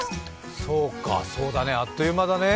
そうか、そうだね、あっという間だね。